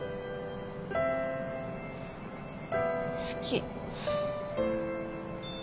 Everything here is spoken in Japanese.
好き。